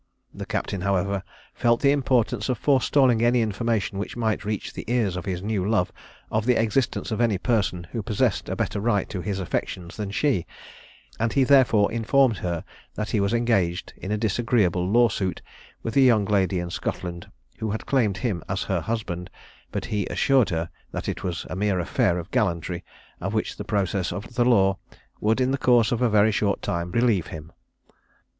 The captain, however, felt the importance of forestalling any information which might reach the ears of his new love of the existence of any person who possessed a better right to his affections than she; and he therefore informed her that he was engaged in a disagreeable lawsuit with a young lady in Scotland who had claimed him as her husband; but he assured her that it was a mere affair of gallantry, of which the process of the law would in the course of a very short time relieve him.